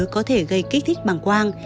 có thể gây kích thích bằng quang